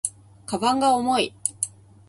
鞄が重い